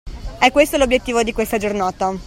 E' questo l’obiettivo di questa giornata.